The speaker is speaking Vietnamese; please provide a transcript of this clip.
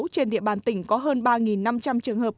trên địa bàn tỉnh có hơn ba năm trăm linh trường hợp